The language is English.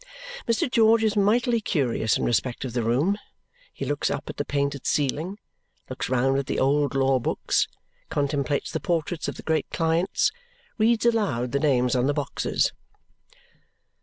Mr. George is mightily curious in respect of the room. He looks up at the painted ceiling, looks round at the old law books, contemplates the portraits of the great clients, reads aloud the names on the boxes.